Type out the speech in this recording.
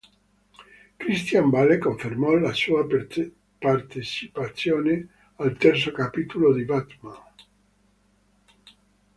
Christian Bale confermò la sua partecipazione al terzo capitolo di Batman.